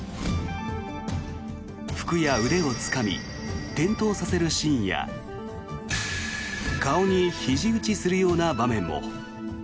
服や腕をつかみ転倒させるシーンや顔にひじ打ちするような場面も。